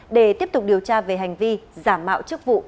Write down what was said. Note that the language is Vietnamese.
để tiếp tục điều tra về hành vi giả mạo